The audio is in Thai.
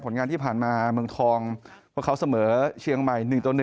งานที่ผ่านมาเมืองทองพวกเขาเสมอเชียงใหม่๑ต่อ๑